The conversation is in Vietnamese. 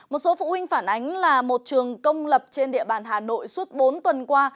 một số phụ huynh phản ánh là một trường công lập trên địa bàn hà nội suốt bốn tuần qua